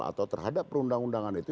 atau terhadap perundang undangan itu